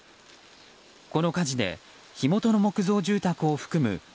この火事で火元の木造住宅を含む